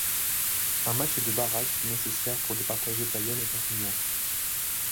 Un match de barrage fut nécessaire pour départager Bayonne et Perpignan.